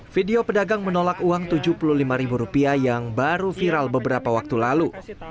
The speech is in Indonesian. video pedagang menolak uang rp tujuh puluh lima yang baru viral beberapa waktu lalu